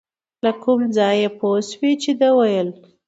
له کوم ځایه پوه شوې، ده ویل .